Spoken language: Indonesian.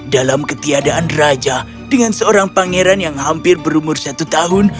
dalam ketiadaan raja dengan seorang pangeran yang hampir berumur satu tahun